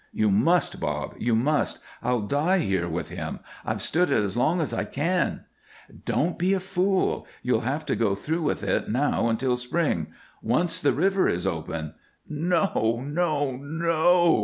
"You must, Bob! You must! I'll die here with him. I've stood it as long as I can " "Don't be a fool. You'll have to go through with it now until spring. Once the river is open " "No, no, no!"